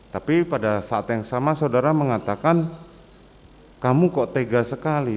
tapi pada saat yang sama saudara mengatakan kamu kok tega sekali